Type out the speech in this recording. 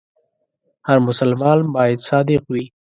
هر مسلمان باید صادق وي.